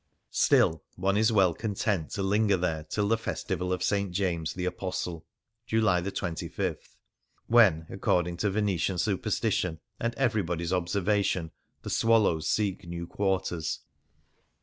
Still, one is well content to linger there till the Festival of St. James the Apostle (July 25), when, according to Venetian superstition and everybody's observa tion, the swallows seek new quarters.